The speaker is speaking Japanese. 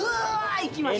行きましたよ。